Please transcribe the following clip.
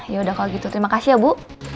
ya udah kalau gitu terima kasih ya bu